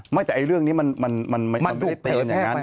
ไม่แต่เรื่องนี้มันไม่ได้เตรียมแบบนั้น